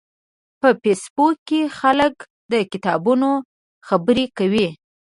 په فېسبوک کې خلک د کتابونو خبرې کوي